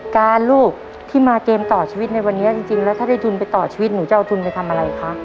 การลูกที่มาเกมต่อชีวิตในวันนี้จริงแล้วถ้าได้ทุนไปต่อชีวิตหนูจะเอาทุนไปทำอะไรคะ